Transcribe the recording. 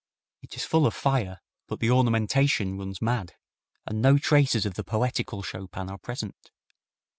It is full of fire, but the ornamentation runs mad, and no traces of the poetical Chopin are present.